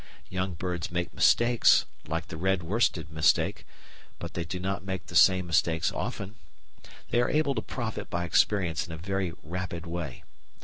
Young birds make mistakes, like the red worsted mistake, but they do not make the same mistakes often. They are able to profit by experience in a very rapid way.